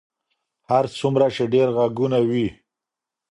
هر څومره چې ډېر غږونه وي.